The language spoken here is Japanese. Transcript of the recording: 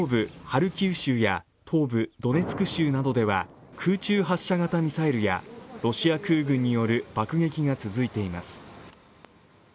ハルキウ州や東部ドネツク州などでは空中発射型ミサイルやロシア空軍による爆撃が続いています。